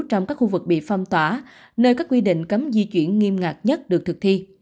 trong các khu vực bị phong tỏa nơi các quy định cấm di chuyển nghiêm ngặt nhất được thực thi